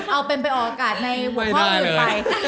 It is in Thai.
เอาเป็นไปออกอากาศในหัวข้ออื่นไป